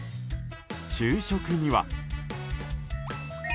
昼食には。